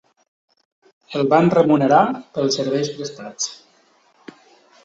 El van remunerar pels serveis prestats.